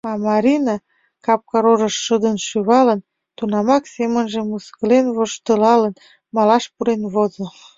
А Марина, капка рожыш шыдын шӱвалын, тунамак семынже мыскылен воштылалын, малаш пурен возо.